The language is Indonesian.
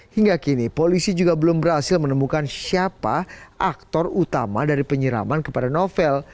hingga kini polisi juga belum berhasil menemukan siapa aktor utama dari penyiraman kepada novel